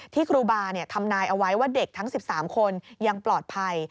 ครูบาทำนายเอาไว้ว่าเด็กทั้ง๑๓คนยังปลอดภัย